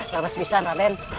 terus bisa raden